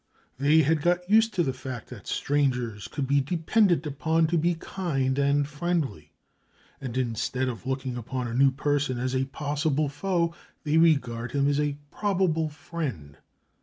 They had got used to the fact that strangers could be depended upon to be kind and friendly, and instead of looking upon a new person as a possible foe, they regarded him as a probable friend.